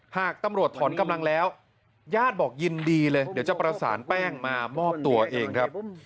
หากตำรวจถอนกำลังแล้วญาติบอกยินดีเลยเดี๋ยวจะประสานแป้งมามอบตัวเองครับ